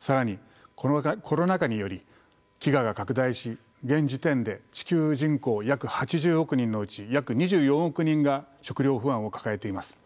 更にコロナ禍により飢餓が拡大し現時点で地球人口約８０億人のうち約２４億人が食糧不安を抱えています。